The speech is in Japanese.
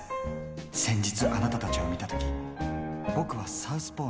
先日あなたたちを見た時ボクはサウスポーの。